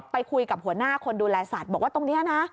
ไปคุยกับหัวหน้าคนดูแลสัตว์บอกว่าตรงนี้นะ